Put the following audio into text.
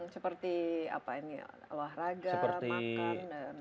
seperti apa ini alah raga makan dan lain lain